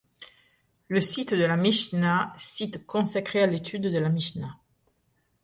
Le site de la Mishna - Site consacré à l'étude de la Mishna.